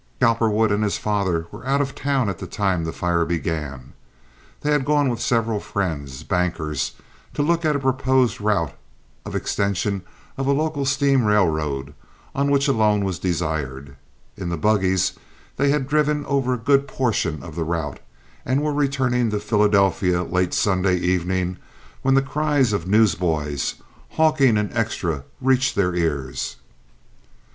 Cowperwood and his father were out of town at the time the fire began. They had gone with several friends—bankers—to look at a proposed route of extension of a local steam railroad, on which a loan was desired. In buggies they had driven over a good portion of the route, and were returning to Philadelphia late Sunday evening when the cries of newsboys hawking an "extra" reached their ears.